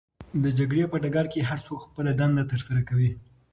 د جګړې په ډګر کې هرڅوک خپله دنده ترسره کوي.